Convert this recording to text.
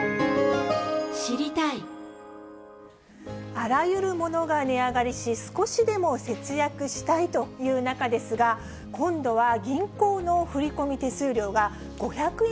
あらゆるものが値上がりし、少しでも節約したいという中ですが、今度は銀行の振り込み手数料が５００円